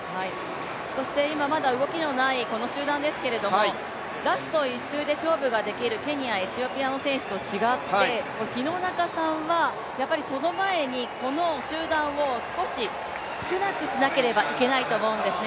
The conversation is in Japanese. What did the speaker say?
そしてまだ動きのない集団ですけど、ラスト１周で勝負ができるケニア、エチオピアの選手と違って廣中さんはその前にこの集団を少し少なくしなければいけないと思うんですね。